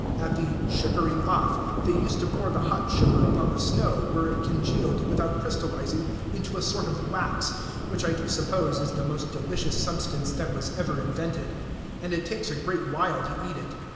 At the "sugaring off" they used to pour the hot sugar upon the snow, where it congealed, without crystallizing, into a sort of wax, which I do suppose is the most delicious substance that was ever invented. And it takes a great while to eat it.